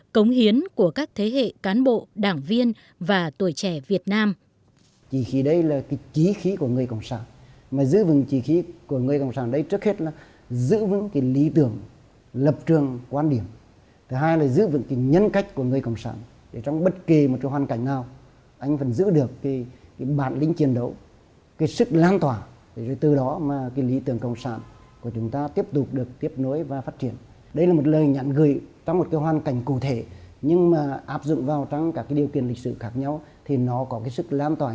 cống hiến của các thế hệ cán bộ đảng viên và tuổi trẻ việt nam